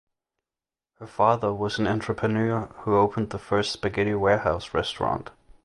Her father was an entrepreneur who opened the first Spaghetti Warehouse restaurant.